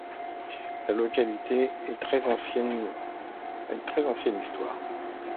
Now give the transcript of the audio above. La localité a une très ancienne histoire.